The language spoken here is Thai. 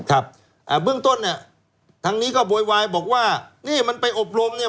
อ่าเบื้องต้นเนี่ยทางนี้ก็โวยวายบอกว่านี่มันไปอบรมเนี่ย